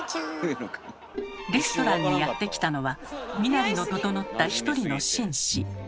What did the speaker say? レストランにやって来たのは身なりの整った一人の紳士。